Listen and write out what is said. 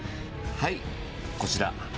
はい、こちら。